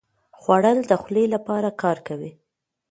خوړل د خولې لپاره کار کوي